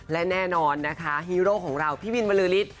และแน่นอนฮิโรคของเราพี่บินบรรลือริสต์